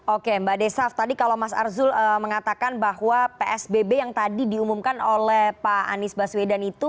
oke mbak desaf tadi kalau mas arzul mengatakan bahwa psbb yang tadi diumumkan oleh pak anies baswedan itu